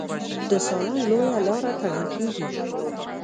د سالنګ لویه لاره تړل کېږي.